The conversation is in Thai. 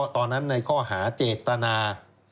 ตอนนั้นในข้อหาเจตนา